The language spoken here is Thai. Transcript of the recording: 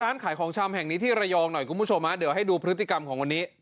ขายของชำแห่งนี้ที่ระยองหน่อยคุณผู้ชมฮะเดี๋ยวให้ดูพฤติกรรมของวันนี้